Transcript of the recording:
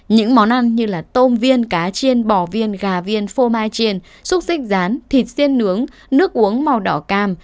những món ăn như tôm viên cá chiên bò viên gà viên phô mai triền xúc xích rán thịt xiên nướng nước uống màu đỏ cam